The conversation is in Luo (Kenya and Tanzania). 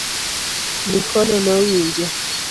Likono nowinje